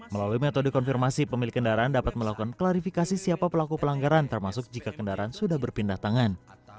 melalui metode konfirmasi pemilik kendaraan dapat melakukan klarifikasi siapa pelaku pelanggaran termasuk jika kendaraan sudah berpindah tangan